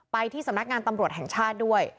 ที่สำนักงานตำรวจแห่งชาติด้วย